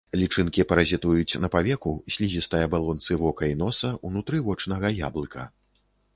Лічынкі паразітуюць на павеку, слізістай абалонцы вока і носа, унутры вочнага яблыка.